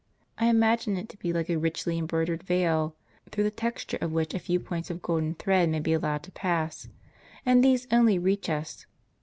I imagine it to be like a richly embroidered veil, through the texture of which a few points of golden thread may be allowed to pass ; and these only reach us.